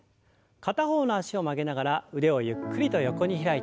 片方の脚を曲げながら腕をゆっくりと横に開いて。